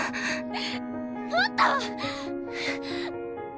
もっと。